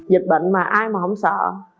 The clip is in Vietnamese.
dịch bệnh mà ai mà không sợ